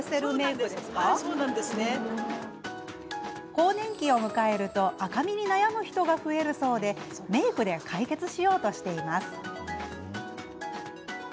更年期を迎えると赤みに悩む人が増えるそうでメークで解決しようとしています。